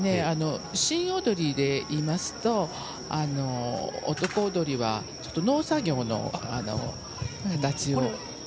新踊りでいいますと男踊りは、農作業の形を。